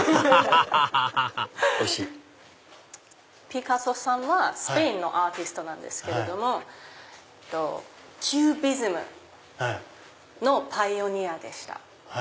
ピカソさんはスペインのアーティストなんですけれどもキュービズムのパイオニアでした。